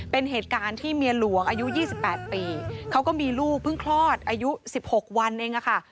เป็นเหตุการณ์ที่เมียหลวงอายุ๒๘ปีเขาก็มีลูกเพิ่งคลอดอายุ๑๖วันเองค่ะ